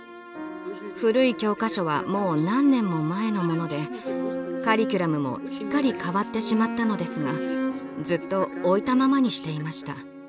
古い教科書はもう何年も前のものでカリキュラムもすっかり変わってしまったのですがずっと置いたままにしていました。